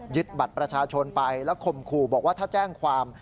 บัตรประชาชนไปแล้วข่มขู่บอกว่าถ้าแจ้งความ